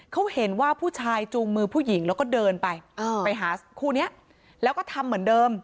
เขาเห็นว่าผู้ชายจูงมือผู้หญิงแล้วก็เดินไปไปหาคู่นี้แล้วก็ทำเหมือนเดิม